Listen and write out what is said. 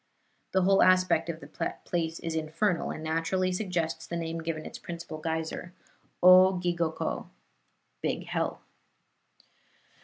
The whole aspect of the place is infernal, and naturally suggests the name given its principal geyser, O gigoko (Big Hell).